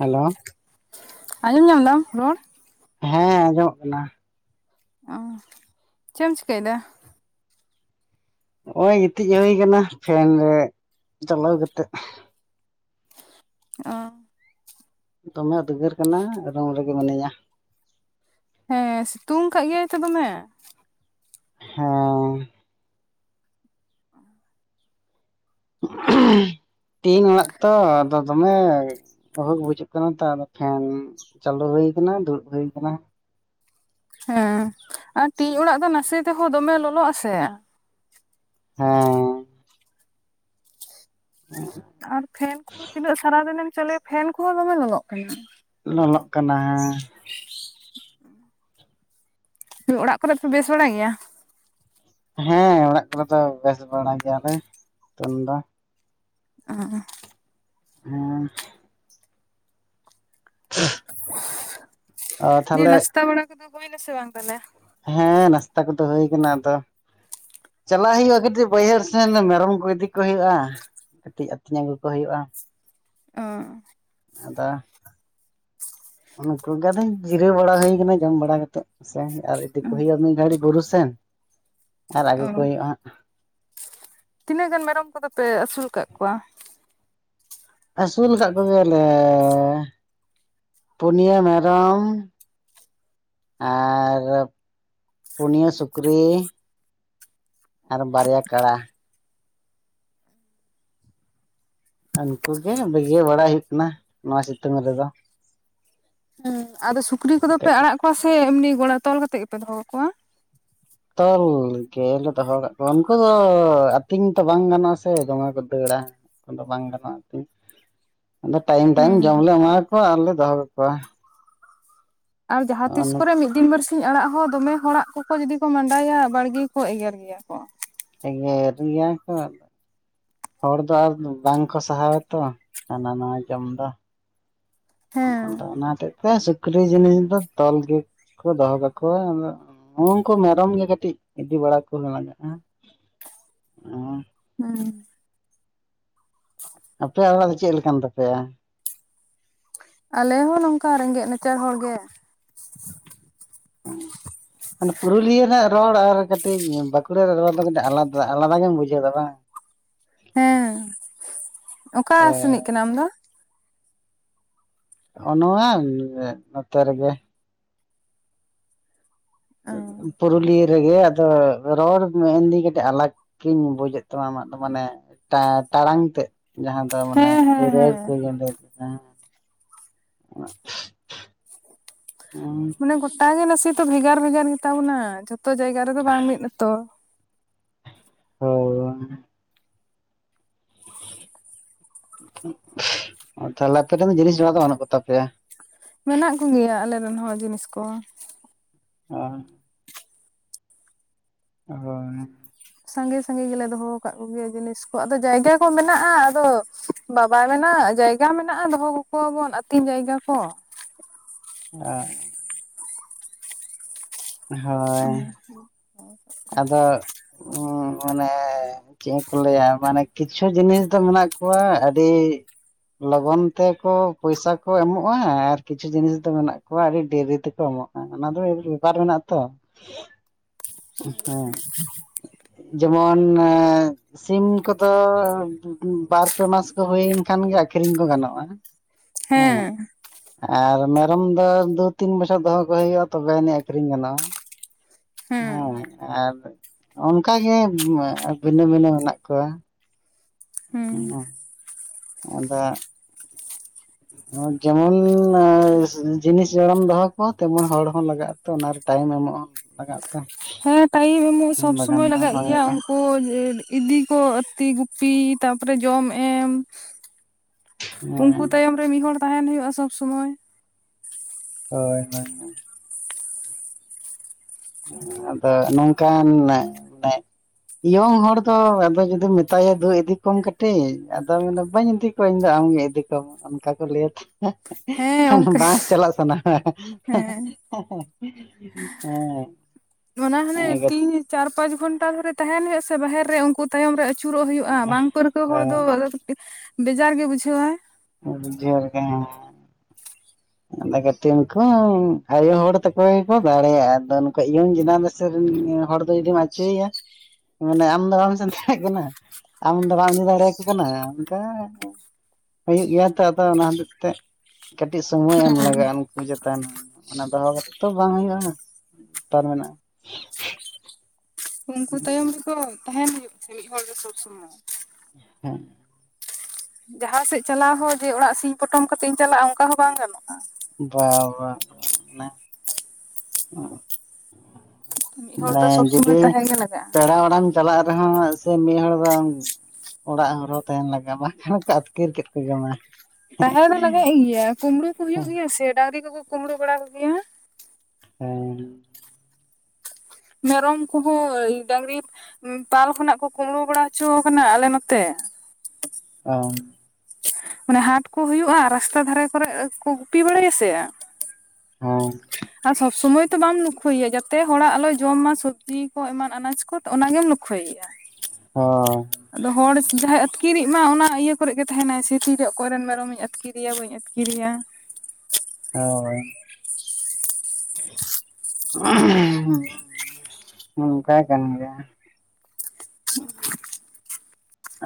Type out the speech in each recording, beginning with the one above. Hello. ᱟᱸᱡᱚᱢ ᱧᱟᱢ ᱫᱟᱢ ᱨᱚᱲ‍‌? ᱦᱮᱸ ᱟᱸᱡᱚᱢᱚᱜ ᱠᱟᱱᱟ᱾ ᱚ ᱪᱮᱜ ᱮᱢ ᱪᱤᱠᱟᱹᱭᱫᱟ? ᱱᱚᱜ-ᱚᱭ ᱜᱤᱛᱤᱡ ᱦᱳᱭ ᱠᱟᱱᱟ ᱯᱷᱮᱱ ᱨᱮ ᱪᱟᱞᱟᱣ ᱠᱟᱛᱮ᱾ ᱚ ᱫᱚᱢᱮ ᱩᱫᱽᱜᱟᱹᱨ ᱠᱟᱱᱟ ᱨᱩᱢ ᱨᱮᱜᱮ ᱢᱤᱱᱟᱹᱧᱟ᱾ ᱦᱮᱸ ᱥᱤᱛᱩᱝ ᱠᱟᱜ ᱜᱮᱭᱟᱭ ᱛᱚ ᱫᱚᱢᱮ᱾ ᱦᱮᱸᱻ [unintelligible] ᱴᱤᱱ ᱚᱲᱟᱜ ᱛᱚ ᱟᱫᱚ ᱫᱚᱢᱮ ᱟᱹᱣᱦᱟᱹ ᱜᱮ ᱵᱩᱡᱷᱟᱹᱜ ᱠᱟᱱᱟ ᱛᱚ ᱟᱫᱚ ᱯᱷᱮᱱ ᱪᱟᱹᱞᱩ ᱦᱩᱭ ᱠᱟᱱᱟ ᱫᱩᱲᱩᱵ ᱦᱩᱭ ᱠᱟᱱᱟ᱾ ᱦᱮᱸ ᱟᱨ ᱴᱤᱝ ᱚᱲᱟᱜ ᱫᱚ ᱱᱟᱥᱮ ᱛᱮᱦᱚᱸ ᱫᱚᱢᱮ ᱞᱚᱞᱚᱜ ᱟᱥᱮ᱾ ᱦᱮᱸ᱾ [inaudible] ᱟᱨ ᱯᱷᱮᱱ ᱠᱚᱦᱚᱸ ᱛᱤᱱᱟᱹᱜ ᱥᱟᱨᱟᱫᱤᱱᱮᱢ ᱪᱟᱹᱞᱩᱭᱟ ᱯᱷᱮᱱ ᱠᱚᱦᱚᱸ ᱫᱚᱢᱮ ᱞᱚᱞᱚᱜ ᱠᱟᱱᱟ᱾ ᱞᱚᱞᱚᱜ ᱠᱟᱱᱟ ᱦᱮᱸ᱾ ᱚᱲᱟᱜ ᱠᱚᱨᱮ ᱯᱮ ᱵᱮᱥ ᱵᱟᱲᱟ ᱜᱮᱭᱟ‌? ᱦᱮᱸ ᱚᱲᱟᱜ ᱠᱚᱨᱮ ᱫᱚ ᱵᱮᱥ ᱵᱟᱲᱟ ᱜᱮᱭᱟᱞᱮ ᱱᱤᱛᱚᱝ ᱫᱚ᱾ ᱟᱸ᱾ ᱦᱮᱸ᱾ ᱚ ᱫᱤᱭᱮ ᱛᱟᱦᱚᱞᱮ ᱱᱟᱥᱛᱟ ᱵᱟᱲᱟ ᱠᱚᱫᱚ ᱦᱩᱭᱱᱟ ᱥᱮ ᱵᱟᱝ ᱛᱟᱦᱚᱞᱮ? ᱦᱮᱸ ᱱᱟᱥᱛᱟ ᱠᱚᱫᱚ ᱦᱩᱭ ᱠᱟᱱᱟ ᱟᱫᱚ ᱪᱟᱞᱟᱜ ᱦᱩᱭᱩᱜᱼᱟ ᱠᱟᱹᱴᱤᱡ ᱵᱟᱹᱭᱦᱟᱹᱲ ᱥᱮᱱ ᱢᱮᱨᱚᱢ ᱠᱚ ᱤᱫᱤ ᱠᱚ ᱦᱩᱭᱩᱜᱼᱟ ᱠᱟᱹᱴᱤᱡ ᱟᱹᱛᱤᱧ ᱟᱹᱜᱩ ᱠᱚ ᱦᱩᱭᱩᱜᱼᱟ ᱚᱻ ᱟᱫᱚ ᱚᱱᱠᱩ ᱜᱮ ᱟᱫᱚᱧ ᱡᱤᱨᱟᱹᱣ ᱵᱟᱲᱟ ᱦᱩᱭ ᱟᱠᱟᱱᱟ ᱡᱚᱢ ᱵᱟᱲᱟ ᱠᱟᱛᱮᱫ ᱥᱮᱱ ᱟᱨ ᱤᱫᱤ ᱠᱚ ᱦᱩᱭᱩᱜᱼᱟ ᱢᱤᱫ ᱜᱷᱟᱹᱲᱤᱡ ᱵᱩᱨᱩ ᱥᱮᱱ ᱟᱨ ᱚ ᱟᱹᱜᱩ ᱠᱚ ᱦᱩᱭᱩᱜᱼᱟ ᱦᱟᱜ ᱛᱤᱱᱟᱹᱜ ᱜᱟᱱ ᱢᱮᱨᱚᱢ ᱠᱚᱫᱚ ᱯᱮ ᱟᱹᱥᱩᱞ ᱟᱠᱟᱫ ᱠᱚᱣᱟ? ᱟᱹᱥᱩᱞ ᱟᱠᱟᱫ ᱠᱚᱜᱮᱭᱟ ᱞᱮᱻ ᱯᱩᱱᱭᱟᱹ ᱢᱮᱨᱚᱢ ᱟᱨ ᱯᱩᱱᱭᱟᱹ ᱥᱩᱠᱨᱤ ᱟᱨ ᱵᱟᱨᱭᱟ ᱠᱟᱲᱟ ᱩᱱᱠᱩᱜᱮ ᱵᱤᱜᱟᱹᱣ ᱵᱟᱲᱟᱭ ᱦᱩᱭᱩᱜ ᱠᱟᱱᱟ ᱱᱚᱣᱟ ᱥᱤᱛᱩᱝ ᱨᱮᱫᱚ ᱦᱮᱸ ᱟᱫᱚ ᱥᱩᱠᱨᱤ ᱠᱚᱫᱚ ᱯᱮ ᱠᱟᱹᱴᱤᱡ ᱟᱲᱟᱜ ᱠᱚᱣᱟ ᱥᱮ ᱮᱢᱱᱤ ᱜᱚᱲᱟ ᱛᱚᱞ ᱠᱟᱛᱮᱜ ᱜᱮᱯᱮ ᱫᱚᱦᱚ ᱠᱟᱠᱚᱣᱟ? ᱛᱚᱞ ᱜᱮᱞᱮ ᱫᱚᱦᱚ ᱟᱠᱟᱫ ᱠᱚᱣᱟ, ᱩᱱᱠᱩ ᱫᱚ ᱟᱹᱛᱤᱧ ᱛᱚ ᱵᱟᱝ ᱜᱟᱱᱚᱜᱼᱟ ᱥᱮ ᱫᱚᱢᱮ ᱠᱚ ᱫᱟᱹᱲᱟ᱾ ᱟᱫᱚ ᱵᱟᱝ ᱜᱟᱱᱚᱜᱼᱟ ᱟᱛᱤᱧ ᱟᱫᱚ ᱴᱟᱭᱤᱢ ᱴᱟᱭᱤᱢ ᱦᱩᱸ ᱡᱚᱢᱞᱮ ᱮᱢᱟᱣᱟᱠᱚᱣᱟ ᱟᱨᱞᱮ ᱫᱚᱦᱚ ᱠᱟᱠᱚᱣᱟ ᱟᱢ ᱡᱟᱦᱟᱸ ᱛᱤᱥ ᱱᱚᱜᱼᱚ ᱠᱚᱨᱮ ᱢᱤᱫ ᱫᱤᱱ ᱵᱟᱨᱥᱤᱧ ᱟᱲᱟᱜ ᱦᱚᱸ ᱫᱚᱢᱮ ᱦᱚᱲᱟᱜ ᱠᱚᱠᱚ ᱡᱩᱫᱤ ᱠᱚ ᱢᱟᱸᱰᱟᱭᱟ ᱵᱟᱲᱜᱮ ᱠᱚ ᱮᱜᱮᱨ ᱜᱮᱭᱟ ᱠᱚ ᱮᱜᱮᱨ ᱜᱮᱭᱟ ᱠᱚ ᱦᱚᱲ ᱫᱚ ᱟᱨ ᱵᱟᱝᱠᱚ ᱥᱟᱦᱟᱣᱟ ᱛᱚ ᱦᱟᱱᱟ ᱱᱟᱣᱟᱭ ᱡᱚᱢ ᱫᱚ ᱦᱮᱸ ᱟᱫᱚ ᱚᱱᱟ ᱦᱚᱛᱮᱡ ᱛᱮ ᱥᱩᱠᱨᱤ ᱡᱤᱱᱤᱥ ᱫᱚ ᱛᱚᱞ ᱜᱮᱠᱚ ᱫᱚᱦᱚ ᱠᱟᱠᱚᱣᱟ ᱟᱫᱚ ᱩᱱᱠᱩ ᱢᱮᱨᱚᱢ ᱜᱮ ᱠᱟᱹᱴᱤᱡ ᱤᱫᱤ ᱵᱟᱲᱟ ᱠᱚ ᱞᱟᱜᱟᱜᱼᱟ ᱦᱮᱸ ᱟᱯᱮᱭᱟᱜ ᱚᱲᱟᱜ ᱫᱚ ᱪᱮᱫ ᱞᱮᱠᱟᱱ ᱛᱟᱯᱮᱭᱟ? ᱟᱞᱮ ᱦᱚᱸ ᱱᱚᱝᱠᱟ ᱨᱮᱸᱜᱮᱡ ᱱᱟᱪᱟᱨ ᱦᱚᱲ ᱜᱮ [inaudible] ᱢᱟᱱᱮ ᱯᱩᱨᱩᱞᱤᱭᱟᱹ ᱨᱮᱱᱟᱜ ᱨᱚᱲ ᱟᱨ ᱠᱟᱹᱴᱤᱡ ᱵᱟᱸᱠᱩᱲᱟ ᱨᱮᱭᱟᱜ ᱨᱚᱲ ᱫᱚ ᱠᱟᱴᱤᱡ ᱟᱞᱟᱫᱟ ᱟᱞᱟᱫᱟ ᱜᱮᱢ ᱵᱩᱡᱷᱟᱹᱣ ᱮᱫᱟ ᱵᱟᱝ? ᱦᱮᱸ ᱚᱠᱟ ᱦᱳᱭ ᱥᱮᱱᱤᱡ ᱦᱳᱭ ᱠᱟᱱᱟᱢ ᱟᱢᱫᱚ? ᱱᱚᱜ ᱱᱚᱣᱟ ᱱᱚᱛᱮ ᱨᱮᱜᱮ ᱯᱩᱨᱩᱞᱤᱭᱟᱹ ᱨᱮᱜᱮ ᱟᱫᱚ ᱨᱚᱲ ᱢᱮᱱᱫᱤᱧ ᱠᱟᱹᱴᱤᱡ ᱟᱞᱟᱜ ᱜᱤᱧ ᱵᱩᱡᱮᱫ ᱛᱟᱢᱟ ᱟᱢᱟᱜ ᱫᱚ ᱢᱟᱱᱮ ᱴᱟᱲᱟᱝ ᱛᱮᱫ ᱡᱟᱦᱟᱸ ᱫᱚ ᱢᱟᱱᱮ ᱦᱮᱸ ᱦᱮᱸ ᱦᱮᱸ [unintelligible] [unintelligible] ᱢᱟᱱᱮ ᱜᱚᱴᱟ ᱜᱮ ᱱᱟᱥᱮ ᱫᱚ ᱵᱷᱮᱜᱟᱨ ᱵᱷᱮᱜᱟᱨ ᱜᱮ ᱛᱟᱵᱚᱱᱟ ᱡᱷᱚᱛᱚ ᱡᱟᱭᱜᱟ ᱨᱮᱫᱚ ᱵᱟᱝ ᱢᱤᱫ ᱟᱛᱚ ᱦᱳᱭ ᱛᱟᱦᱞᱮ ᱟᱯᱮ ᱫᱚ ᱡᱤᱱᱤᱥ ᱵᱮᱲᱟ ᱫᱚ ᱵᱟᱹᱱᱩᱜ ᱠᱚᱛᱟᱯᱮᱭᱟ ᱢᱮᱱᱟᱜ ᱠᱚᱜᱮᱭᱟ ᱟᱞᱮᱨᱮᱱ ᱦᱚᱸ ᱡᱤᱱᱤᱥ ᱠᱚ ᱚ [unintelligible] ᱥᱟᱸᱜᱮ ᱥᱟᱸᱜᱮ ᱜᱮᱞᱮ ᱫᱚᱦᱚ ᱟᱠᱟᱫ ᱠᱚᱜᱮᱭᱟ ᱡᱤᱱᱤᱥ ᱠᱚ ᱟᱫᱚ ᱡᱟᱭᱜᱟ ᱠᱚ ᱢᱮᱱᱟᱜᱼᱟ ᱟᱫᱚ ᱵᱟᱵᱟ ᱢᱮᱱᱟᱜ ᱡᱟᱭᱜᱟ ᱢᱮᱱᱟᱜᱼᱟ ᱫᱚᱦᱚ ᱠᱟᱠᱚᱣᱟᱵᱚᱱ ᱟᱹᱛᱤᱧ ᱡᱟᱭᱜᱟ ᱠᱚ [unintelligible] ᱦᱳᱭ [unintelligible] ᱟᱫᱚ ᱢᱟᱱᱮ ᱪᱮᱫ ᱠᱚ ᱞᱟᱹᱭᱟ ᱢᱟᱱᱮ ᱠᱤᱪᱷᱩ ᱡᱤᱱᱤᱥ ᱫᱚ ᱢᱮᱱᱟᱜ ᱠᱚᱣᱟ ᱟᱹᱰᱤ ᱞᱚᱜᱚᱱ ᱛᱮᱠᱚ ᱯᱚᱭᱥᱟ ᱠᱚ ᱮᱢᱚᱜᱼᱟ ᱟᱨ ᱠᱤᱪᱷᱩ ᱡᱤᱱᱤᱥ ᱫᱚ ᱢᱮᱱᱟᱜ ᱠᱚᱣᱟ ᱟᱹᱰᱤ ᱰᱮᱨᱤ ᱛᱮᱠᱚ ᱮᱢᱚᱜᱼᱟ ᱦᱮᱸ ᱚᱱᱟ ᱫᱚ ᱟᱹᱰᱤ ᱵᱮᱯᱟᱨ ᱢᱮᱱᱟᱜ ᱛᱚ [inaudible] ᱦᱮᱸ ᱡᱮᱢᱚᱱ ᱥᱤᱢ ᱠᱚᱫᱚ ᱵᱟᱨ ᱯᱮ ᱢᱟᱥ ᱠᱚ ᱦᱩᱭᱮᱱ ᱠᱷᱟᱱᱜᱮ ᱟᱠᱷᱨᱤᱧ ᱠᱚ ᱜᱟᱱᱚᱜᱼᱟ ᱦᱮᱸ ᱟᱨ ᱢᱮᱨᱚᱢ ᱫᱚ ᱫᱩ ᱛᱤᱱ ᱵᱚᱪᱷᱚᱨ ᱫᱚᱦᱚ ᱠᱚ ᱦᱩᱭᱩᱜ-ᱟ ᱛᱚᱵᱮ ᱟᱹᱱᱤᱡ ᱟᱹᱡᱷᱨᱤᱧ ᱜᱟᱱᱚᱜ-ᱟ ᱦᱮᱸ ᱟᱨ ᱚᱱᱠᱟᱜᱮ ᱵᱷᱤᱱᱟᱹ ᱵᱷᱤᱱᱟᱹ ᱢᱮᱱᱟᱜ ᱠᱚᱣᱟ ᱦᱩᱸ ᱟᱫᱚ ᱡᱮᱢᱚᱱ ᱡᱤᱱᱤᱥ ᱡᱚᱲᱟᱢ ᱫᱚᱦᱚ ᱠᱚᱣᱟ ᱛᱮᱢᱚᱱ ᱦᱚᱲ ᱦᱚᱸ ᱞᱟᱜᱟᱜ-ᱟ ᱛᱚ ᱚᱱᱟᱨᱮ ᱴᱟᱭᱤᱢ ᱮᱢᱚᱜ-ᱟ ᱞᱟᱜᱟᱜ ᱛᱮ ᱦᱮᱸ ᱴᱟᱭᱤᱢ ᱮᱢᱚᱜ ᱥᱚᱵ ᱥᱚᱢᱚᱭ ᱞᱟᱜᱟᱜ ᱜᱮᱭᱟ ᱠᱚ ᱤᱫᱤ ᱠᱚ ᱟᱛᱤ ᱜᱩᱯᱤ ᱛᱟᱯᱚᱨᱮ ᱡᱚᱢ ᱮᱢ ᱩᱝᱠᱩ ᱦᱮᱸ ᱛᱟᱭᱚᱢ ᱨᱮ ᱢᱤᱫ ᱦᱚᱲ ᱛᱟᱦᱮᱱ ᱦᱩᱭᱩᱜ-ᱟ ᱥᱚᱵ ᱥᱚᱢᱚᱭ ᱦᱳᱭ ᱦᱳᱭ ᱟᱫᱚ ᱱᱚᱝᱠᱟᱱ [unintelligible] ᱤᱭᱚᱝ ᱦᱚᱲ ᱫᱚ ᱟᱫᱚ ᱡᱩᱫᱤᱢ ᱢᱮᱛᱟᱭᱟ ᱫᱩ ᱤᱫᱤ ᱠᱚᱢ ᱠᱟᱹᱴᱤᱡ ᱟᱫᱚ ᱢᱮᱱᱟ ᱵᱟᱹᱧ ᱤᱫᱤ ᱠᱚᱧ ᱤᱧ ᱫᱚ ᱟᱢᱜᱮ ᱤᱫᱤ ᱠᱚᱢ ᱚᱱᱠᱟ ᱠᱚ ᱞᱟᱹᱭᱟ ᱦᱮᱸ ᱟᱫᱚ ᱚᱱᱠᱟ ᱵᱟᱝ ᱪᱟᱞᱟᱜ ᱥᱟᱱᱟ ᱦᱟᱸ ᱦᱮᱸ ᱚᱱᱟ ᱦᱟᱱᱮ ᱛᱤᱱ ᱪᱟᱨ ᱯᱟᱸᱪ ᱜᱷᱚᱱᱴᱟ ᱫᱷᱚᱨᱮ ᱛᱟᱦᱮᱱ ᱦᱩᱭᱩᱜ ᱥᱮ ᱵᱟᱦᱮᱨ ᱨᱮ ᱩᱝᱠᱩ ᱛᱟᱭᱚᱢ ᱨᱮ ᱟᱹᱪᱩᱨᱚᱜ ᱦᱩᱭᱩᱜ-ᱟ ᱵᱟᱝ ᱯᱟᱹᱨᱠᱟᱹᱣ ᱠᱟᱛᱷᱟ ᱦᱚᱲ ᱫᱚ ᱟᱫᱚ ᱵᱮᱡᱟᱨ ᱜᱮ ᱵᱩᱡᱷᱟᱹᱣᱟ [unintelligible] ᱜᱮ ᱦᱮᱸ [inaudible] ᱟᱫᱚ ᱠᱟᱹᱴᱤ ᱩᱝᱠᱩ ᱦᱚᱸ ᱟᱭᱳ ᱦᱚᱲ ᱛᱟᱠᱚ ᱜᱮᱠᱚ ᱫᱟᱲᱮᱭᱟᱜ-ᱟ ᱟᱫᱚ ᱱᱩᱠᱩ ᱤᱭᱚᱝ ᱡᱮᱱᱟᱨᱮᱥ [unintelligible] ᱦᱚᱲ ᱫᱚ ᱡᱩᱫᱤᱢ ᱟᱹᱪᱚᱭᱭᱟ ᱢᱟᱱᱮ ᱟᱢ ᱫᱚ ᱵᱟᱢ ᱥᱮᱱ ᱫᱟᱲᱮᱭᱟᱜ ᱠᱟᱱᱟ ᱟᱢ ᱫᱚ ᱵᱟᱢ ᱤᱫᱤ ᱫᱟᱲᱮᱭᱟᱠᱚ ᱠᱟᱱᱟ ᱚᱝᱠᱟ ᱦᱩᱭᱩᱜ ᱜᱮᱭᱟ ᱛᱚ ᱟᱫᱚ ᱚᱱᱟ ᱦᱟᱛᱮ ᱛᱮ ᱠᱟᱹᱴᱤᱡ ᱥᱚᱢᱚᱭ ᱮᱢ ᱞᱟᱜᱟᱜ-ᱟ ᱩᱱᱠᱩ ᱪᱮᱛᱟᱱ ᱚᱱᱟ ᱫᱚᱦᱚᱸ ᱠᱟᱛᱮᱜ ᱛᱚ ᱵᱟᱝ ᱦᱩᱭᱩᱜ-ᱟ ᱛᱟᱨ ᱢᱮᱱᱟᱜ-ᱟ [inaudible] ᱦᱩᱸ ᱛᱟᱦᱮᱱ ᱦᱩᱭᱩᱜ-ᱟ ᱢᱤᱫ ᱦᱚᱲ ᱫᱚ ᱥᱚᱵᱽ ᱥᱚᱢᱚᱭ ᱦᱮᱸ ᱡᱟᱦᱟᱸ ᱥᱮᱜ ᱪᱟᱞᱟᱣ ᱦᱚᱸ ᱡᱮ ᱚᱲᱟᱜ ᱥᱤᱧ ᱯᱚᱴᱚᱢ ᱠᱟᱛᱮᱧ ᱪᱟᱞᱟᱜ-ᱟ ᱚᱱᱠᱟ ᱦᱚᱸ ᱵᱟᱝ ᱜᱟᱱᱚᱜ-ᱟ ᱵᱟ ᱵᱟ ᱵᱟ ᱢᱤᱫ ᱦᱚᱲ ᱢᱟᱱᱮ ᱫᱚ ᱥᱚᱵ ᱥᱚᱢᱚᱭ ᱡᱩᱫᱤ ᱛᱟᱦᱮᱸ ᱜᱮ ᱞᱟᱜᱟᱜᱼᱟ ᱯᱮᱲᱟ ᱚᱲᱟᱢ ᱪᱟᱞᱟᱜ ᱨᱮᱦᱚᱸ ᱥᱮ ᱢᱤᱫ ᱦᱚᱲ ᱚᱲᱟᱜ ᱦᱚᱨᱚ ᱛᱟᱦᱮᱱ ᱞᱟᱜᱟᱜ ᱵᱟᱝᱠᱷᱟᱱ ᱠᱚ ᱟᱹᱛᱠᱤᱨ ᱠᱮᱫ ᱠᱚ ᱠᱮᱢᱟ ᱛᱟᱦᱮᱸ ᱫᱚ ᱞᱟᱜᱟᱜ ᱜᱮᱭᱟ ᱠᱩᱢᱲᱩ ᱠᱚ ᱦᱩᱭᱩᱜ ᱜᱮᱭᱟ ᱥᱮ ᱰᱟᱝᱨᱤ ᱠᱚᱠᱚ ᱠᱩᱢᱲᱩ ᱵᱟᱲᱟ ᱠᱚᱜᱮᱭᱟ ᱦᱮᱸ ᱢᱮᱨᱚᱢ ᱠᱚᱦᱚᱸ ᱰᱟᱝᱨᱤ ᱯᱟᱞ ᱠᱷᱚᱱᱟᱜ ᱠᱚ ᱠᱩᱢᱲᱩ ᱵᱟᱲᱟ ᱦᱚᱪᱚᱣ ᱠᱟᱱᱟ ᱟᱞᱮ ᱱᱚᱛᱮ ᱚ ᱢᱟᱱᱮ ᱦᱟᱴ ᱠᱚ ᱦᱩᱭᱩᱜ-ᱟ ᱨᱟᱥᱛᱟ ᱫᱷᱟᱨᱮ ᱠᱚᱨᱮ ᱠᱚ ᱜᱩᱯᱤ ᱵᱟᱲᱟᱭᱟ ᱥᱮ ᱦᱮᱸ ᱟᱨ ᱥᱚᱵ ᱥᱚᱢᱚᱭ ᱛᱚ ᱵᱟᱢ ᱞᱚᱠᱷᱳᱭᱭᱟ ᱡᱟᱛᱮ ᱦᱚᱲᱟᱜ ᱟᱞᱚᱭ ᱡᱚᱢ ᱢᱟ ᱥᱚᱵᱽᱡᱤ ᱠᱚ ᱮᱢᱟᱱ ᱟᱱᱟᱡᱽ ᱠᱚ ᱚᱱᱟ ᱜᱮᱢ ᱞᱚᱠᱠᱷᱳᱭᱭᱟ [inaudible] ᱦᱚ ᱟᱫᱚ ᱦᱚᱲ ᱡᱟᱦᱟᱸᱭ ᱟᱹᱛᱠᱤᱨᱡ ᱢᱟ ᱚᱱᱟ ᱤᱭᱟᱹ ᱠᱚᱨᱮ ᱜᱮ ᱛᱟᱦᱮᱱᱟᱭ ᱥᱮ ᱛᱤᱨᱮ ᱚᱠᱚᱭ ᱨᱮᱱ ᱢᱮᱨᱚᱢᱤᱧ ᱟᱹᱛᱠᱤᱨᱮᱭᱟ ᱵᱟᱹᱧ ᱠᱤᱨᱤᱭᱟ ᱦᱚᱭ [unintelligible] ᱱᱚᱝᱠᱟ ᱠᱟᱱ ᱜᱮᱭᱟ [inaudible]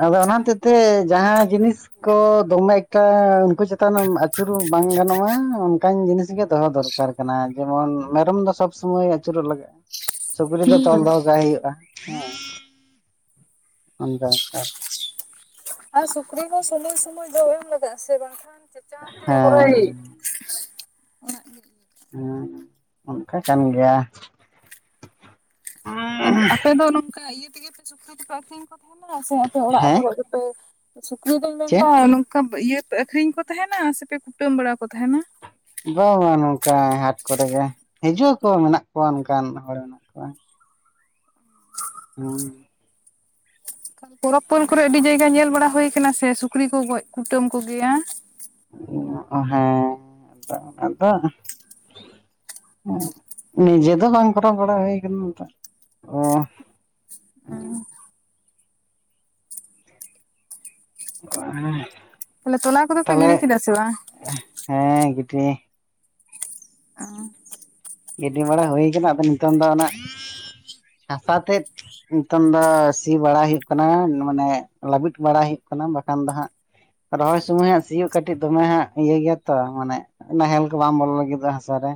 ᱟᱫᱚ ᱚᱱᱟ ᱦᱚᱛᱮᱡ ᱛᱮ ᱡᱟᱦᱟᱸ ᱡᱤᱱᱤᱥ ᱠᱚ ᱫᱚᱢᱮ ᱮᱠᱴᱟ ᱩᱱᱠᱩ ᱪᱮᱛᱟᱱᱮᱢ ᱟᱹᱪᱩᱨ ᱵᱟᱝ ᱜᱟᱱᱚᱜ-ᱟ ᱚᱱᱠᱟᱱ ᱡᱤᱱᱤᱥ ᱜᱮ ᱫᱚᱦᱚ ᱫᱚᱨᱼᱼ ᱼᱼᱠᱟᱨ ᱠᱟᱱᱟ ᱡᱮᱢᱚᱱ ᱢᱮᱨᱚᱢ ᱫᱚ ᱥᱚᱵᱽ ᱥᱚᱢᱚᱭ ᱟᱹᱪᱩᱨᱚᱜ ᱞᱟᱜᱟᱜᱼᱟ ᱥᱩᱠᱨᱤ ᱫᱚ ᱛᱚᱞ ᱫᱚᱦᱚ ᱠᱟᱭ ᱦᱩᱭᱩᱜᱼᱟ [unintelligible] ᱚᱱᱠᱟ ᱵᱮᱯᱟᱨ ᱟᱨ ᱥᱩᱠᱨᱤ ᱫᱚ ᱥᱚᱢᱚᱭ ᱥᱚᱢᱚᱭ ᱡᱚᱢ ᱮᱢ ᱞᱟᱜᱟᱜᱼᱟ ᱥᱮ ᱵᱟᱝᱠᱷᱟᱱ ᱪᱮᱪᱟᱣᱛᱮ ᱦᱮᱸ ᱯᱩᱨᱟᱹᱭ ᱚᱲᱟᱜ ᱦᱩᱸ ᱚᱱᱠᱟ ᱠᱟᱱ ᱜᱮᱭᱟ ᱟᱯᱮ ᱫᱚ ᱱᱚᱝᱠᱟ ᱤᱭᱟᱹ ᱛᱮᱜᱮ ᱯᱮ ᱥᱩᱠᱨᱤ ᱫᱚᱯᱮ ᱟᱹᱠᱷᱨᱤᱧ ᱠᱚ ᱛᱟᱦᱚᱞᱮ ᱥᱮ ᱟᱯᱮ ᱚᱲᱟᱜ ᱦᱮᱸ ᱠᱚᱨᱮ ᱜᱮᱯᱮ ᱥᱩᱠᱨᱤ ᱫᱚᱧ ᱢᱮᱱ ᱪᱮᱫ ᱮᱫᱟ ᱱᱚᱝᱠᱟ ᱤᱭᱟᱹ ᱯᱮ ᱟᱠᱷᱨᱤᱧ ᱠᱚ ᱛᱟᱦᱮᱱᱟ ᱥᱮᱯᱮ ᱠᱩᱴᱟᱹᱢ ᱵᱟᱲᱟ ᱠᱚ ᱛᱟᱦᱮᱱᱟ? ᱵᱟᱝ ᱵᱟᱝ ᱱᱚᱝᱠᱟ ᱦᱟᱴ ᱠᱚᱨᱮ ᱜᱮ ᱦᱤᱡᱩᱜ ᱟᱠᱚ ᱢᱮᱱᱟᱜ ᱠᱚᱣᱟ ᱚᱱᱠᱟᱱ ᱦᱚᱲ ᱦᱩᱸ ᱯᱚᱨᱚᱵᱽ ᱯᱟᱹᱞ ᱠᱚᱨᱮ ᱟᱹᱰᱤ ᱡᱟᱭᱜᱟ ᱧᱮᱞ ᱵᱟᱲᱟ ᱦᱩᱭᱠᱟᱱᱟ ᱥᱮ ᱥᱩᱠᱨᱤ ᱠᱚ ᱜᱚᱡ ᱠᱩᱴᱟᱹᱢ ᱠᱚ ᱜᱮᱭᱟ ᱚ ᱦᱮᱸ ᱛᱚ ᱚᱱᱟᱫᱚ ᱱᱤᱡᱮ ᱫᱚ ᱵᱟᱝ ᱠᱚᱨᱟᱣ ᱵᱟᱲᱟ ᱦᱩᱭ ᱠᱟᱱᱟ ᱛᱚ ᱚᱻ ᱦᱮᱸ ᱦᱮᱸ ᱛᱟᱦᱚᱞᱮ ᱛᱚᱞᱟ ᱠᱚᱫᱚ ᱯᱮ ᱜᱤᱲᱤ ᱠᱮᱫᱟ ᱥᱮ ᱵᱟᱝ? ᱦᱮᱸ ᱜᱤᱴᱤ ᱚᱸ ᱜᱤᱰᱤ ᱵᱟᱲᱟ ᱦᱩᱭ ᱠᱟᱱᱟ, ᱟᱫᱚ ᱱᱤᱛᱚᱝ ᱫᱚ ᱚᱱᱟ ᱦᱟᱥᱟ ᱛᱮᱫ ᱱᱤᱛᱚᱝ ᱫᱚ ᱥᱤ ᱵᱟᱲᱟ ᱦᱩᱭᱩᱜ ᱠᱟᱱᱟ ᱢᱟᱱᱮ ᱞᱟᱹᱵᱤᱫ ᱵᱟᱲᱟ ᱦᱩᱭᱩᱜ ᱠᱟᱱᱟ ᱵᱟᱠᱷᱟᱱ ᱫᱚ ᱦᱟᱸᱜ ᱨᱚᱦᱚᱭ ᱥᱚᱢᱚᱭ ᱦᱟᱸᱜ ᱥᱤᱭᱳᱜ ᱠᱟᱹᱴᱤᱡ ᱫᱚᱢᱮ ᱦᱟᱸᱜ ᱤᱭᱟᱹ ᱜᱮᱭᱟ ᱛᱚ ᱢᱟᱱᱮ ᱱᱟᱦᱮᱞ ᱠᱚ ᱵᱟᱝ ᱵᱚᱞᱚ ᱞᱟᱹᱜᱤᱫᱚᱜ-ᱟ ᱦᱟᱥᱟ ᱨᱮ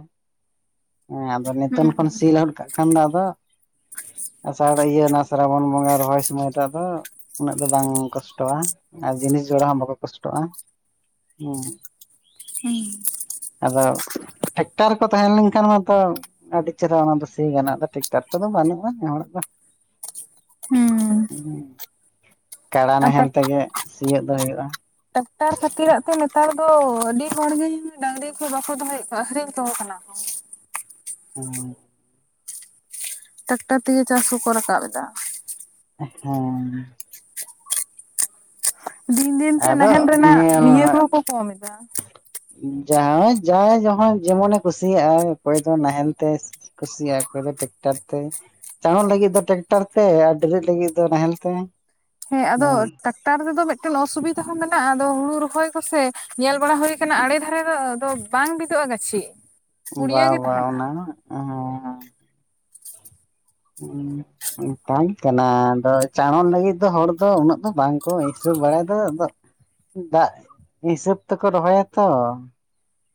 ᱦᱮᱸ ᱟᱫᱚ ᱱᱤᱛᱚᱱ ᱠᱷᱚᱱ ᱥᱤ ᱞᱟᱹᱦᱩᱫ ᱠᱟᱜ ᱠᱷᱟᱱ ᱫᱚ ᱟᱫᱚ ᱟᱥᱟᱲ ᱤᱭᱟᱹ ᱚᱱᱟ ᱥᱨᱟᱵᱚᱱ ᱵᱚᱸᱜᱟ ᱨᱚᱦᱚᱭ ᱥᱚᱢᱚᱭ ᱴᱟᱜ ᱫᱚ ᱩᱱᱟᱹᱜ ᱫᱚ ᱵᱟᱝ ᱠᱚᱥᱴᱚᱣᱟ ᱟᱨ ᱡᱤᱱᱤᱥ ᱡᱚᱲᱟ ᱦᱚᱸ ᱵᱟᱠᱚ ᱠᱚᱥᱴᱚᱜᱼᱟ ᱩᱸ ᱦᱩᱸ ᱟᱫᱚ ᱴᱷᱮᱠᱴᱟᱨ ᱠᱚ ᱛᱟᱦᱮᱸ ᱞᱮᱱᱠᱷᱟᱱ ᱢᱟ ᱛᱚ ᱟᱹᱰᱤ ᱪᱮᱦᱮᱨᱟ ᱚᱱᱟ ᱫᱚ ᱥᱤ ᱜᱟᱱᱚᱜ ᱫᱚ ᱴᱮᱠᱴᱟᱨ ᱠᱚᱫᱚ ᱵᱟᱹᱱᱩᱜᱼᱟ ᱱᱮ ᱦᱚᱲᱟᱜ ᱫᱚ ᱦᱩᱸ ᱠᱟᱲᱟ ᱟᱨ ᱱᱟᱦᱮᱞ ᱛᱮᱜᱮ ᱥᱤᱭᱳᱜ ᱫᱚ ᱦᱩᱭᱩᱜᱼᱟ ᱴᱮᱠᱴᱟᱨ ᱠᱷᱟᱹᱛᱤᱨᱟᱜ ᱛᱮ ᱱᱮᱛᱟᱨ ᱫᱚ ᱟᱹᱰᱤ ᱦᱚᱲᱜᱮ ᱰᱟᱺᱝᱨᱤ ᱠᱚ ᱵᱟᱠᱚ ᱫᱚᱦᱚᱭᱮᱫ ᱠᱚᱣᱟ ᱟᱹᱠᱷᱨᱤᱧ ᱠᱚ ᱠᱟᱱᱟ ᱠᱚ ᱦᱮᱸᱻ ᱴᱮᱠᱴᱟᱨ ᱛᱮᱜᱮ ᱪᱟᱥ ᱦᱚᱸᱠᱚ ᱨᱟᱠᱟᱵ ᱮᱫᱟ ᱦᱮᱸ ᱫᱤᱱ ᱫᱤᱱ ᱛᱮ ᱟᱫᱚ ᱱᱟᱦᱮᱞ ᱨᱮᱱᱟᱜ ᱧᱮᱞ ᱤᱭᱟᱹ ᱠᱚᱦᱚᱸᱠᱚ ᱠᱚᱢ ᱮᱫᱟ ᱡᱟᱦᱟᱸ ᱡᱟ ᱡᱟᱦᱚᱭ ᱡᱮᱢᱚᱱᱮ ᱠᱩᱥᱤᱭᱟᱜᱼᱟ ᱚᱠᱚᱭ ᱫᱚ ᱱᱟᱦᱮᱞ ᱛᱮ ᱠᱩᱥᱤᱭᱟᱜ-ᱟ ᱠᱚᱭᱫᱚ ᱴᱮᱠᱴᱟᱨ ᱛᱮ ᱪᱟᱸᱬᱚᱜ ᱞᱟᱹᱜᱤᱫ ᱫᱚ ᱴᱮᱠᱴᱟᱨ ᱛᱮ ᱟᱨ ᱰᱮᱨᱤᱜ ᱞᱟᱹᱜᱤᱫ ᱫᱚ ᱱᱟᱦᱮᱞ ᱛᱮ ᱦᱮᱸ ᱟᱫᱚ ᱴᱨᱟᱠᱴᱟᱨ ᱨᱮᱫᱚ ᱢᱤᱫᱴᱮᱱ ᱚᱥᱩᱵᱤᱫᱟ ᱦᱚᱸ ᱢᱮᱱᱟᱜᱼᱟ ᱟᱫᱚ ᱦᱩᱲᱩ ᱨᱚᱦᱚᱭ ᱠᱚᱥᱮ ᱧᱮᱞ ᱵᱟᱲᱟ ᱦᱩᱭᱟ ᱟᱠᱟᱱᱟ ᱟᱲᱮ ᱫᱷᱟᱨᱮ ᱫᱚ ᱵᱟᱝ ᱵᱤᱫᱩᱜᱼᱟ ᱜᱟᱹᱪᱷᱤ ᱵᱟ ᱯᱩᱲᱭᱟᱹ ᱜᱮ ᱵᱟ ᱛᱟᱦᱮᱱᱟ ᱚᱱᱟ ᱦᱚᱸ᱾ ᱦᱩᱸ ᱢᱮᱴᱟᱝ ᱠᱟᱱᱟ ᱟᱫᱚ ᱪᱟᱬᱚᱱ ᱞᱟᱹᱜᱤᱫ ᱫᱚ ᱦᱚᱲ ᱫᱚ ᱩᱱᱟᱹᱜ ᱫᱚ ᱵᱟᱝᱠᱚ ᱦᱤᱥᱟᱹᱵ ᱵᱟᱲᱟᱭᱮᱫ ᱟᱫᱚ ᱫᱟᱜ ᱦᱤᱥᱟᱹᱵ ᱛᱮᱠᱚ ᱨᱚᱦᱚᱭᱟ ᱛᱚ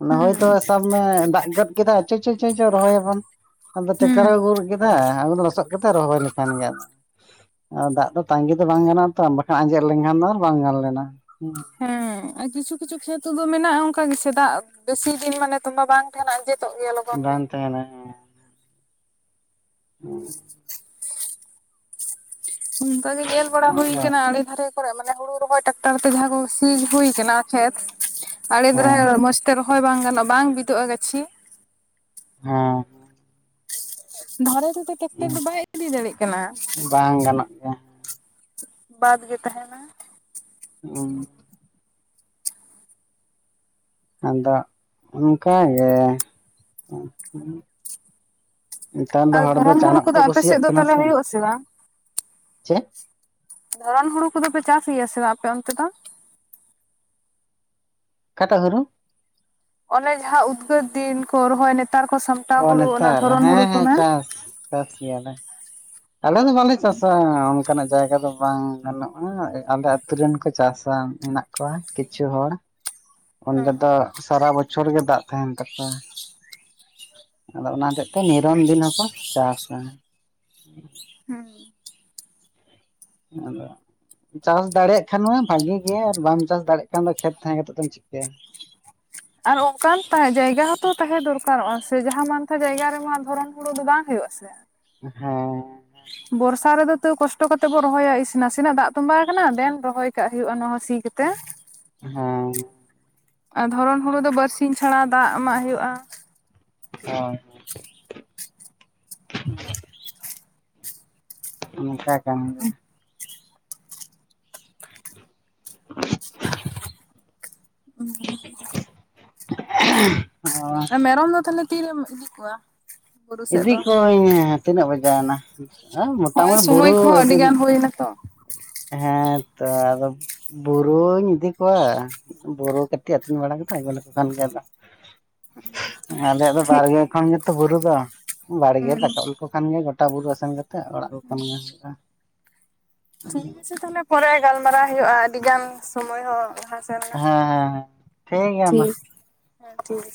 ᱱᱟ ᱦᱩᱸ ᱦᱚᱭᱛᱳ ᱥᱟᱵ ᱢᱮ ᱫᱟᱜ ᱜᱚᱫ ᱠᱮᱫᱟ ᱪᱚ ᱪᱚ ᱪᱚ ᱪᱚ ᱨᱚᱦᱚᱭᱟᱵᱚᱱ ᱟᱫᱚ ᱴᱮᱠᱴᱟᱨ ᱦᱩᱸ ᱮ ᱟᱹᱜᱩ ᱜᱚᱫ ᱠᱮᱫᱟ ᱟ ᱞᱚᱥᱚᱫ ᱠᱟᱛᱮ ᱨᱚᱦᱚᱭ ᱞᱮᱠᱷᱟᱱ ᱜᱮ ᱫᱟᱜ ᱫᱚ ᱛᱟᱺᱜᱤ ᱫᱚ ᱵᱟᱝ ᱜᱟᱱᱚᱜᱼᱟ ᱛᱚ ᱵᱟᱠᱷᱟᱱ ᱟᱸᱡᱮᱫ ᱞᱮᱱᱠᱷᱟᱱ ᱫᱚ ᱟᱨ ᱵᱟᱝ ᱜᱟᱱ ᱞᱮᱱᱟ ᱦᱮᱸ ᱟᱨ ᱠᱤᱪᱷᱩ ᱠᱤᱪᱷᱩ ᱠᱷᱮᱛ ᱫᱚ ᱢᱮᱱᱟᱜᱼᱟ ᱚᱱᱠᱟ ᱜᱮᱥ ᱫᱟᱜ ᱵᱮᱥᱤ ᱫᱤᱱ ᱢᱟᱱᱮ ᱛᱚᱢᱵᱟ ᱵᱟᱝ ᱛᱟᱦᱮᱱᱟ ᱡᱮ ᱵᱟᱝ ᱛᱟᱦᱮᱱᱟ ᱦᱮᱸ [unintelligible] ᱚᱱᱠᱟ ᱜᱮ ᱧᱮᱞ ᱵᱟᱲᱟ ᱦᱮᱸ ᱦᱩᱭᱠᱟᱱᱟ ᱟᱲᱮ ᱫᱷᱟᱨᱮ ᱢᱟᱱᱮ ᱦᱩᱲᱩ ᱨᱚᱦᱚᱭ ᱴᱟᱠᱴᱟᱨ ᱛᱮ ᱡᱟᱦᱟᱸ ᱠᱚ ᱥᱤ ᱦᱩᱭ ᱟᱠᱟᱱᱟ ᱠᱷᱮᱛ ᱟᱲᱮ ᱫᱷᱟᱨᱮ ᱢᱚᱸᱡᱽ ᱛᱮ ᱨᱚᱦ ᱦᱳᱭ ᱵᱟᱝ ᱜᱟᱱᱚᱜ ᱵᱟᱝ ᱵᱤᱫᱚᱜᱼᱟ ᱜᱟᱹᱪᱷᱤ ᱦᱮᱸ ᱫᱷᱟᱨᱮ ᱛᱮᱫᱚ ᱴᱮᱠᱴᱟᱨ ᱫᱚ ᱦᱮᱸ ᱵᱟᱭ ᱤᱫᱤ ᱫᱟᱲᱮᱜ ᱠᱟᱱᱟ ᱵᱟᱝ ᱜᱟᱱᱚᱜ ᱜᱮᱭᱟ ᱵᱟᱫ ᱜᱮ ᱛᱟᱦᱮᱱᱟ ᱦ [unintelligible] ᱟᱫᱚ ᱚᱱᱠᱟᱜ ᱜᱮ ᱱᱮᱛᱟᱨ ᱫᱚ ᱟᱨ ᱦᱚᱲ ᱫᱚ ᱫᱷᱚᱨᱚᱱ ᱦᱩᱲᱩ ᱪᱟᱬᱚᱜ ᱠᱚ ᱠᱚᱫᱚ ᱟᱯᱮ ᱠᱩᱥᱤᱭᱟᱜ ᱥᱮᱫ ᱫᱚ ᱠᱟᱱᱟ ᱛᱟᱦᱚᱞᱮ ᱥᱮ᱾ ᱦᱩᱭᱩᱜ ᱟᱥᱮ ᱵᱟᱝ? ᱪᱮᱫ? ᱫᱷᱚᱨᱚᱱ ᱦᱩᱲᱩ ᱠᱚᱫᱚᱯᱮ ᱪᱟᱥ ᱜᱮᱭᱟ ᱥᱮ ᱵᱟᱝ ᱟᱯᱮ ᱚᱱᱛᱮ ᱫᱚ? ᱠᱟᱴᱟ ᱦᱚᱲᱩ [unintelligible] ᱚᱱᱮ ᱡᱟᱦᱟᱸ ᱩᱫᱽᱜᱟᱹᱨ ᱫᱤᱱ ᱠᱚ ᱨᱚᱦᱚᱭ ᱱᱮᱛᱟᱨ ᱠᱚ ᱥᱟᱢ ᱚ ᱱᱮᱛᱟᱨ ᱦᱮᱸ ᱦᱮᱸ ᱪᱟᱥ ᱪᱟᱥᱭᱟᱞᱮ ᱛᱟᱦᱞᱮ ᱫᱚ ᱵᱷᱞᱮ ᱪᱟᱥᱟ [unintelligible] ᱚᱱᱠᱟᱱᱟᱜ ᱡᱟᱭᱜᱟ ᱫᱚ ᱵᱟᱝ ᱜᱟᱱᱚᱜᱼᱟ ᱟᱞᱮ ᱟᱛᱩ ᱨᱮᱱ ᱠᱚ ᱪᱟᱥᱟ ᱢᱮᱱᱟᱜ ᱠᱚᱣᱟ ᱠᱤᱪᱷᱩ ᱦᱚᱲ ᱚᱸᱰᱮ ᱫᱚ ᱥᱟᱨᱟ ᱵᱚᱪᱷᱚᱨ ᱜᱮ ᱫᱟᱜ ᱛᱟᱦᱮᱱ ᱛᱟᱠᱚᱣᱟ ᱟᱫᱚ ᱚᱱᱟ ᱦᱚᱛᱮᱜ ᱛᱮ ᱱᱤᱨᱚᱱ ᱫᱤᱱ ᱦᱚᱸᱠᱚ ᱪᱟᱥᱟ ᱦᱩᱸ ᱟᱫᱚ [unintelligible] ᱪᱟᱥ ᱫᱟᱲᱮᱭᱟᱜ ᱠᱷᱟᱱ ᱢᱟ ᱵᱷᱟᱜᱤ ᱜᱮᱭᱟ ᱟᱨ ᱵᱟᱢ ᱪᱟᱥ ᱫᱟᱲᱮᱭᱟᱜ ᱠᱷᱟᱱ ᱫᱚ ᱠᱷᱮᱛ ᱛᱟᱦᱮᱸ ᱠᱟᱛᱮᱜ ᱫᱚᱢ ᱪᱤᱠᱟᱹᱭᱟ? ᱟᱨ ᱚᱱᱠᱟᱱ ᱡᱟᱭᱜᱟ ᱦᱚᱸᱛᱚ ᱛᱟᱦᱮᱸ ᱫᱚᱨᱠᱟᱨᱚᱜᱼᱟ ᱥᱮ ᱡᱟᱦᱟᱸ ᱢᱛᱮ ᱡᱟᱭᱜᱟ ᱨᱮᱢᱟ ᱫᱷᱚᱨᱚᱢ ᱦᱩᱲᱩ ᱫᱚ ᱵᱟᱝ ᱦᱩᱭᱩᱜ ᱟ ᱥᱮ ᱦᱮᱸ ᱵᱚᱨᱥᱟ ᱨᱮᱫᱚ ᱛᱟ. ᱣ ᱠᱚᱥᱴᱚ ᱠᱟᱛᱮ ᱵᱚ ᱨᱚᱦᱚᱭᱟ ᱤᱥ ᱱᱟᱥᱮᱱᱟᱜ ᱫᱟᱜ ᱛᱚᱸᱵᱟ ᱟᱠᱟᱱᱟ ᱫᱮᱱ ᱨᱚᱦᱚᱭ ᱠᱟᱜ ᱦᱩᱭᱩᱜᱼᱟ ᱚᱱᱟ ᱥᱤ ᱠᱟᱛᱮ᱾ ᱦᱮᱸ ᱟᱨ ᱫᱷᱚᱨᱚᱱ ᱦᱩᱲᱩ ᱫᱚ ᱵᱟᱨᱥᱤᱧ ᱪᱷᱟᱲᱟ ᱫᱟᱜ ᱮᱢᱟᱜ ᱦᱩᱭᱩᱜᱼᱟ ᱚ [unintelligible] ᱱᱚ ᱱᱟᱝᱠᱟ ᱠᱟᱱ ᱜᱮᱭᱟ ᱚ [unintelligible] [unintelligible] ᱟᱨ ᱢᱮᱨᱚᱢ ᱫᱚ ᱛᱟᱦᱚᱞᱮ ᱛᱤᱨᱮᱢ ᱤᱫᱤ ᱠᱚᱣᱟ? ᱵᱩᱨᱩ ᱥᱮᱫ ᱤᱫᱤ ᱫᱚ ᱠᱚᱣᱟᱹᱧ ᱛᱤᱱᱟᱹᱜ ᱵᱟᱡᱟᱣᱮᱱᱟ ᱢᱚᱴᱟ ᱢᱩᱴᱤ ᱵᱩᱨᱩ ᱤᱫᱤ ᱦᱩᱭᱱᱟ ᱛᱚ ᱦᱮᱸ ᱛᱚ ᱟᱫᱚ ᱵᱩᱨᱩᱧ ᱤᱫᱤ ᱠᱚᱣᱟ ᱵᱩᱨᱩ ᱠᱟᱹᱴᱤᱡ ᱟᱹᱛᱤᱧ ᱵᱟᱲᱟ ᱠᱟᱛᱮ ᱟᱹᱜᱩ ᱞᱮᱠᱚ ᱠᱷᱟᱱ ᱜᱮ ᱟᱫᱚ ᱟᱞᱮᱭᱟᱜ ᱫᱚ ᱴᱷᱤᱠ ᱵᱟᱲᱜᱮ ᱠᱷᱚᱱ ᱜᱮᱛᱚ ᱵᱩᱨᱩ ᱫᱚ ᱵᱟᱲᱜᱮ ᱨᱟᱠᱟᱵ ᱞᱮᱠᱚ ᱠᱟᱱ ᱜᱮᱭᱟ ᱜᱚᱴᱟ ᱯᱟᱴᱟ [unintelligible] ᱵᱩᱨᱩ ᱟᱥᱮᱱ ᱠᱟᱛᱮᱫ ᱚᱲᱟᱜ [unintelligible] ᱴᱷᱤᱠ ᱟᱪᱷᱮ ᱛᱟᱦᱚᱞᱮ ᱯᱚᱨᱮ ᱜᱟᱞᱢᱟᱨᱟᱣ ᱦᱩᱭᱩᱜᱼᱟ ᱟᱹᱰᱤ ᱜᱟᱱ ᱥᱚᱢᱚᱭ ᱦᱚᱸ ᱞᱟᱦᱟ ᱦᱮᱸ ᱦᱮᱸ ᱦᱮᱸ ᱜᱮᱭᱟ ᱢᱟ ᱴᱷᱤᱠ ᱦᱮᱸ ᱴᱷᱤᱠ